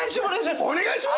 お願いします！